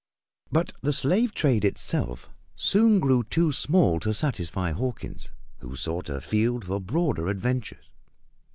But the slave trade itself soon grew too small to satisfy Hawkins, who sought a field for broader adventures.